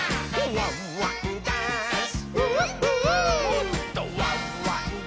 「ワンワンダンス！」